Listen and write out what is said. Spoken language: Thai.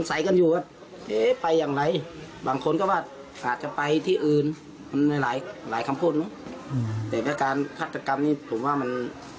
มันน้อยคนที่จะคิดอย่างนั้น